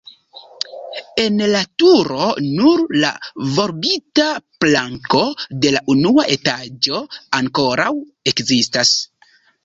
En la turo nur la volbita planko de la unua etaĝo ankoraŭ ekzistas.